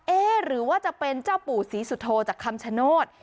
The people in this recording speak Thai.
หรือว่าจะเป็นเจ้าปู่ศรีสุโธจากคำชโนธ